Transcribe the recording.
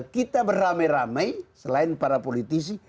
saya ingin mengucapkan kepada para politisi